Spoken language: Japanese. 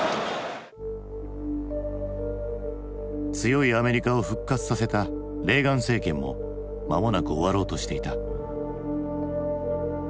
強いアメリカを復活させたレーガン政権もまもなく終わろうとしていた。